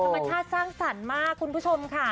ธรรมชาติสร้างสรรค์มากคุณผู้ชมค่ะ